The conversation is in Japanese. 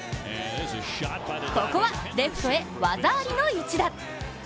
ここは、レフトへ技ありの一打。